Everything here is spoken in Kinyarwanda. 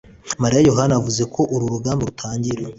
Mariya Yohana yavuze ko uru rugamba rutangira